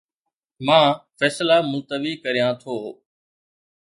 مان فيصلا ملتوي ڪريان ٿو